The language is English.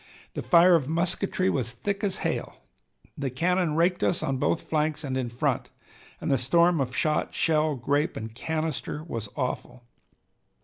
The fire of musketry was thick as hail. The cannon raked us on both flanks and in front, and the storm of shot, shell, grape, and canister was awful.